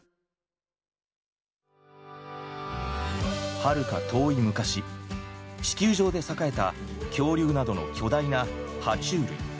はるか遠い昔地球上で栄えた恐竜などの巨大なは虫類。